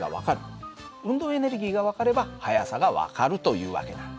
運動エネルギーが分かれば速さが分かるという訳なんだ。